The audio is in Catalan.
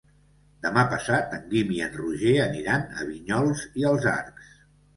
Demà passat en Guim i en Roger aniran a Vinyols i els Arcs.